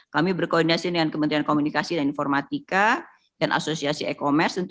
kami berkoordinasi dengan kementerian komunikasi dan informatika dan asosiasi e commerce